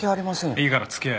いいから付き合え。